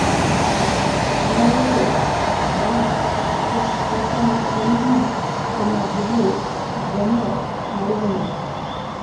Nowadays, Bats is spoken only in a village Zemo Alvani.